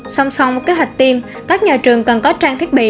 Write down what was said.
xong xong một kế hoạch tiêm các nhà trường cần có trang thiết bị